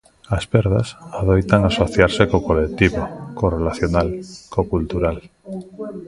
Esas perdas adoitan asociarse co colectivo, co relacional, co cultural.